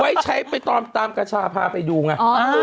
ไว้ใช้ไปตามกระชาพาไปดูไง